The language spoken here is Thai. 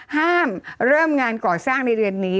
ห้ามเริ่มงานก่อสร้างในเดือนนี้